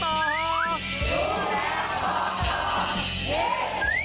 รู้แล้วบอกต่อ